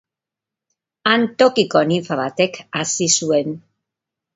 Han, tokiko ninfa batek hazi zuen.